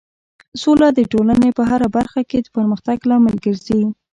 سوله د ټولنې په هر برخه کې د پرمختګ لامل ګرځي.